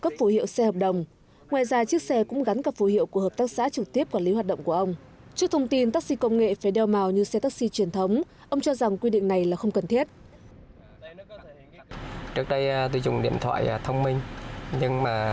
trước đây tôi dùng điện thoại thông minh nhưng mà phần mềm cấu hình nó yếu